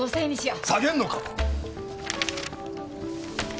下げんのかっ！